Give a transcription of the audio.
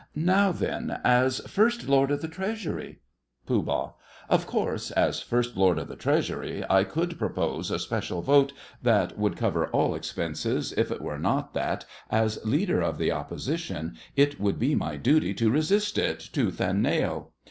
Now, then, as First Lord of the Treasury? POOH. Of course, as First Lord of the Treasury, I could propose a special vote that would cover all expenses, if it were not that, as Leader of the Opposition, it would be my duty to resist it, tooth and nail.